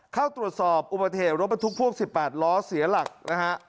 เข้าตรวจสอบอุปเทศลบประทุกข์พวก๑๘ล้อเสียหลักนะฮะ